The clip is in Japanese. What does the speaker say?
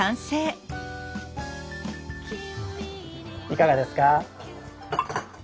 いかがですか？